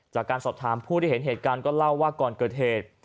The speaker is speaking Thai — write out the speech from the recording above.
จากการสอบถามผู้ที่เห็นเหตุการณ์ก็เล่าว่าก่อนเกิดเหตุ